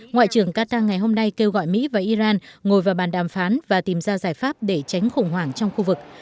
ngoại trưởng qatar ngày hôm nay kêu gọi mỹ và iran ngồi vào bàn đàm phán và tìm ra giải pháp để tránh khủng hoảng trong khu vực